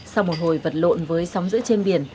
sau một hồi vật lộn với sóng giữ trên biển